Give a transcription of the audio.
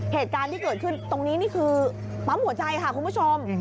เหตุการณ์ที่เกิดขึ้นตรงนี้นี่คือปั๊มหัวใจค่ะคุณผู้ชม